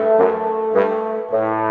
nih bolok ke dalam